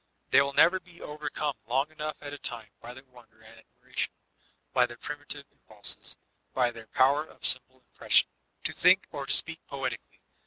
They will never be overcome long enough at a time by their wonder and admiration, by their primitive impulses, by their power of simple impression, to think or to speak poetically.